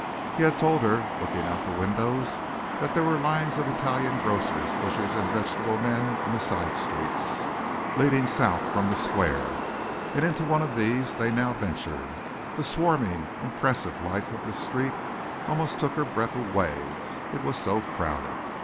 He had told her, looking out the windows, that there were lines of Italian grocers, butchers and vegetable men in the side streets, leading south from the square, and into one of these they now ventured. The swarming, impressive life of the street almost took her breath away, it was so crowded.